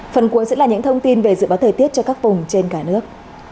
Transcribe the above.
phần cuối sẽ là những thông tin về dự báo thời tiết cho các vùng trên cả nước